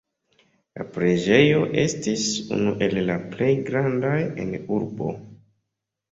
La preĝejo estis unu el la plej grandaj en urbo.